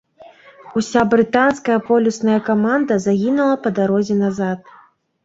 Уся брытанская полюсная каманда загінула па дарозе назад.